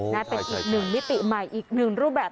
นะเป็นอีกหนึ่งมิติใหม่อีกหนึ่งรูปแบบ